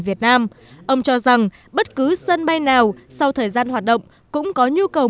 việt nam ông cho rằng bất cứ sân bay nào sau thời gian hoạt động cũng có nhu cầu